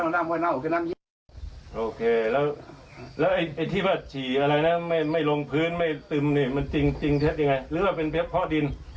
แล้วที่ว่าฉี่ไม่ลงพื้นไม่ตึมมันจริงใช่ไงหรือเป็นเพราะดิน